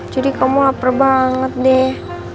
jadi kamu lapar banget deh